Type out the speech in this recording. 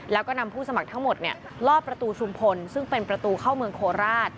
แล้วก็นำผู้สมัครทั้งหมดลอดประตูชุมพลซึ่งเป็นประตูเข้าเมืองโคราช